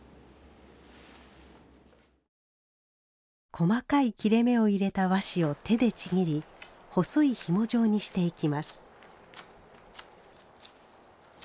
細かい切れ目を入れた和紙を手でちぎり細いひも状にしていきます。